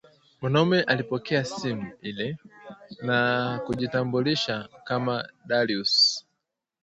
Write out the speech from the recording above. Mwanaume aliipokea simu ile na kujitambulisha kama Darius